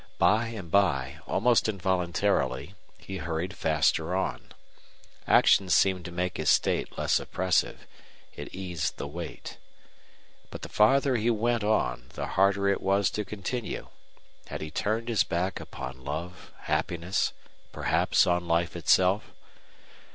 By and by, almost involuntarily, he hurried faster on. Action seemed to make his state less oppressive; it eased the weight. But the farther he went on the harder it was to continue. Had he turned his back upon love, happiness, perhaps on life itself?